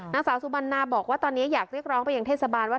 นางสาวสุบันนาบอกว่าตอนนี้อยากเรียกร้องไปยังเทศบาลว่า